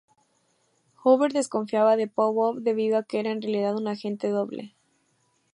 Hoover desconfiaba de Popov debido a que era en realidad un agente doble.